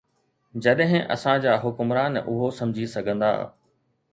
جڏهن اسان جا حڪمران اهو سمجهي سگهندا.